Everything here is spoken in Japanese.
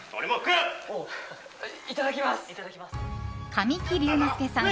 神木隆之介さん